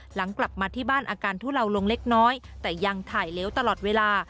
หลังกลับมาที่บ้านอาการทุเลาลงเล็กน้อยแต่ยังถ่ายเหลวตลอดเวลา